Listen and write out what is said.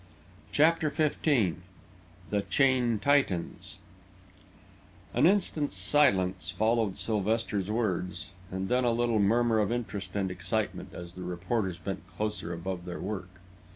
CHAPTER XV THE CHAIN TIGHTENS An instant's silence followed Sylvester's words, and then a little murmur of interest and excitement, as the reporters bent closer above their work.